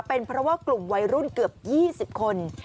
เป็นเพราะว่ากลุ่มวัยรุ่นเกือบ๒๐คน